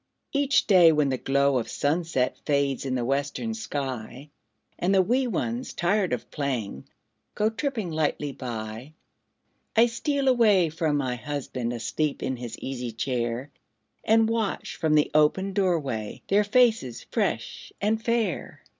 Each day, when the glow of sunset Fades in the western sky, And the wee ones, tired of playing, Go tripping lightly by, I steal away from my husband, Asleep in his easy chair, And watch from the open door way Their faces fresh and fair.